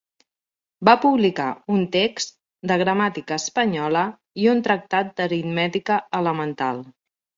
Va publicar un text de Gramàtica espanyola i un tractat d'aritmètica elemental.